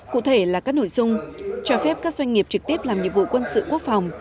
cụ thể là các nội dung cho phép các doanh nghiệp trực tiếp làm nhiệm vụ quân sự quốc phòng